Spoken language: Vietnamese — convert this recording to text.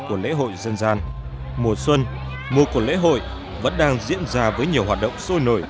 của lễ hội dân gian mùa xuân mùa của lễ hội vẫn đang diễn ra với nhiều hoạt động sôi nổi